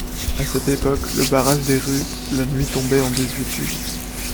À cette époque le barrage des rues la nuit tombait en désuétude.